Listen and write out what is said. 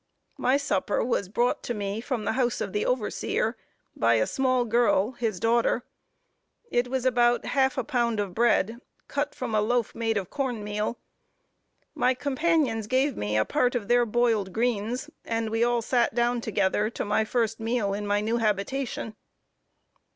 My supper was brought to me from the house of the overseer by a small girl, his daughter. It was about half a pound of bread, cut from a loaf made of corn meal. My companions gave me a part of their boiled greens, and we all sat down together to my first meal in my new habitation.